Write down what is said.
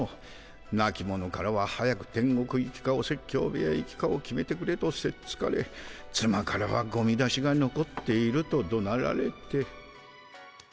なき者からは早く天国行きかお説教部屋行きかを決めてくれとせっつかれつまからはゴミ出しがのこっているとどなられて。